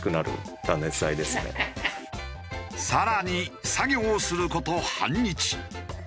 更に作業する事半日。